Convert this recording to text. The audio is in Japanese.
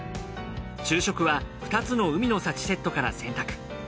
昼食は２つの海の幸セットから選択。